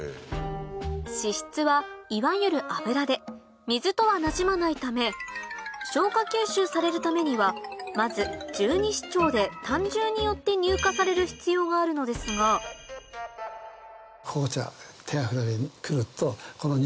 脂質はいわゆる油で水とはなじまないため消化吸収されるためにはまず十二指腸で胆汁によって乳化される必要があるのですが紅茶。